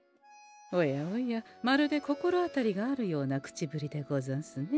おやおやまるで心当たりがあるような口ぶりでござんすね。